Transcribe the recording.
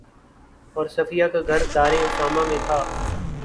اور صفیہ کا گھر دارِ اسامہ میں تھا